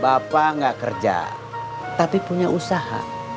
bapak nggak kerja tapi punya usaha